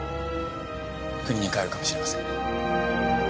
故郷に帰るかもしれません。